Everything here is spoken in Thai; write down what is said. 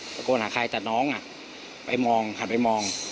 ตะโกนหาใครแต่น้องไปมองหันไปมอง